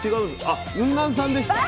あっウンナンさんでした。